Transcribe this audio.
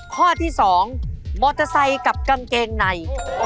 ข้อที่๒มอเตอร์ไซค์กับกางเกงใน